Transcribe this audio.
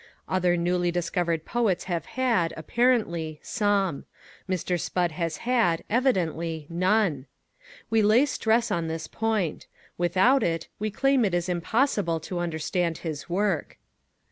Other newly discovered poets have had, apparently, some. Mr. Spudd has had, evidently, none. We lay stress on this point. Without it we claim it is impossible to understand his work.